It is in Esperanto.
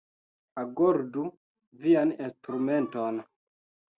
Agordu vian instrumenton!